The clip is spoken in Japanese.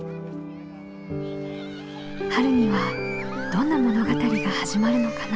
春にはどんな物語が始まるのかな。